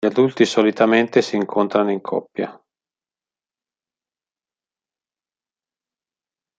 Gli adulti solitamente si incontrano in coppia.